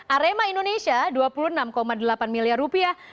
arema indonesia dua puluh enam delapan miliar rupiah